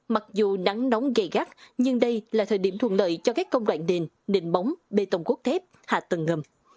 mặc dù nắng nóng gây gắt nhưng đây là thời điểm thuận lợi cho các công đoạn đền bóng bê tông cốt thép hạ tầng ngầm